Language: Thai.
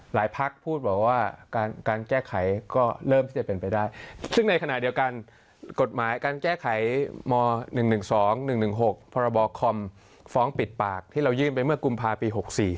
พักพูดบอกว่าการแก้ไขก็เริ่มที่จะเป็นไปได้ซึ่งในขณะเดียวกันกฎหมายการแก้ไขม๑๑๒๑๑๖พรบคอมฟ้องปิดปากที่เรายื่นไปเมื่อกุมภาปี๖๔